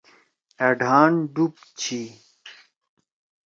أ ڈھان ڈُوب چھی۔